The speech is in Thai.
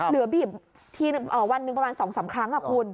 เหลือบีบวันหนึ่งประมาณ๒๓ครั้งคุณ